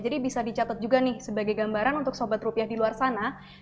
jadi bisa dicatat juga sebagai gambaran untuk sobat rupiah di luar sana